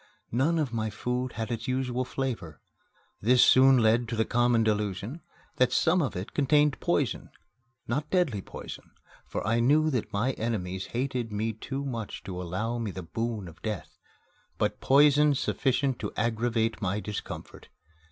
None of my food had its usual flavor. This soon led to that common delusion that some of it contained poison not deadly poison, for I knew that my enemies hated me too much to allow me the boon of death, but poison sufficient to aggravate my discomfort.